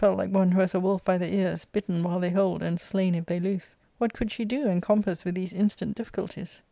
—Book IIL felt like one who has a wolf by the ears, bitten while they hold and slain if they loose. What could she do, encompassed with these instant difficulties